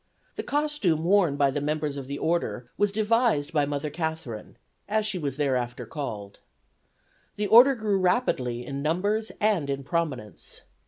The costume worn by the members of the order was devised by Mother Catherine, as she was thereafter called. The Order grew rapidly in numbers and in prominence.